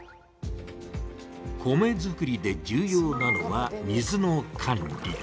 米づくりで重要なのは水の管理。